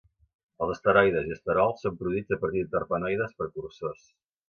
Els esteroides i esterols són produïts a partir de terpenoides precursors.